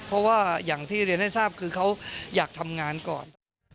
เพราะว่าอย่างที่เรียนให้ทราบคือเขาอยากทำงานก่อน